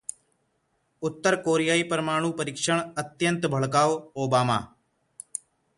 उत्तर कोरियाई परमाणु परीक्षण अत्यंत भड़काऊ: ओबामा